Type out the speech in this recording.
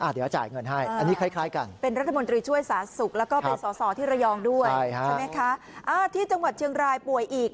ด้านหลังพบหญิงชาวพยาวติดโพวิด๑๙